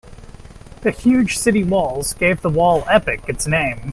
The huge city walls gave the wall epoch its name.